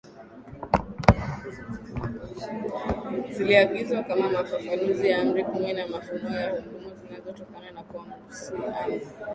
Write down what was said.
ziliagizwa kama mafafanuzi ya Amri kumi na Mafunuo ya Hukumu zinazotokana na Kuasi Amri